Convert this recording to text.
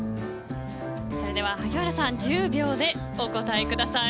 それでは萩原さん１０秒でお答えください。